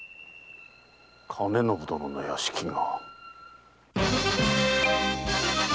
兼延殿の屋敷が。